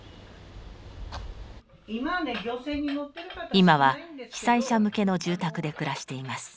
今は被災者向けの住宅で暮らしています。